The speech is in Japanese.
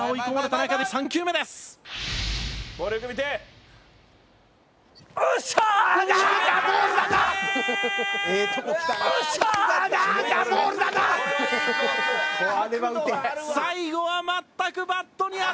最後は全くバットに当たらず！